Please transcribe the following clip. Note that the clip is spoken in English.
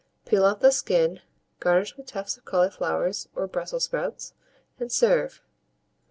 Peel off the skin, garnish with tufts of cauliflowers or Brussels sprouts, and serve.